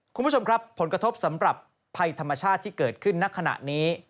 คุณผู้ชมครับผลกระทบสำหรับภัยธรรมชาติที่เกิดขึ้นณขณะนี้